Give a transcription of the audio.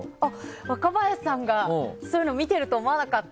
若林さんがそういうの見ていると思わなかった。